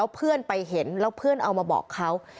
เพื่อนไปเห็นพี่ดัทก็เข้ามาบอกเขา